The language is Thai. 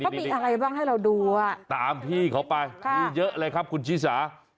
เขามีอะไรบ้างให้เราดูอ่ะตามพี่เขาไปมีเยอะเลยครับคุณชิสา